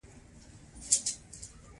دا د تولید او توزیع او مصرف بحث دی.